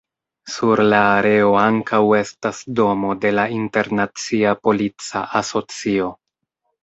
Sur la areo ankaŭ estas domo de la Internacia Polica Asocio.